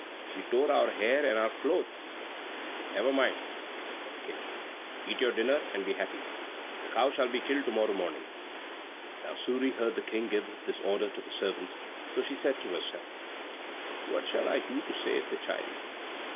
She tore our hair and our clothes." "Never mind," said the King. "Eat your dinner and be happy. The cow shall be killed to morrow morning." Now Suri heard the King give this order to the servants, so she said to herself, "What shall I do to save the child?"